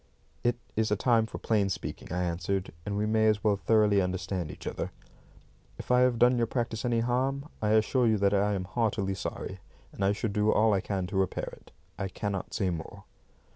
"It is a time for plain speaking," I answered, "and we may as well thoroughly understand each other. If I have done your practice any harm, I assure you that I am heartily sorry, and I shall do all I can to repair it. I cannot say more."